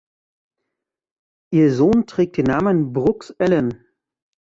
Ihr Sohn trägt den Namen Brooks Alan.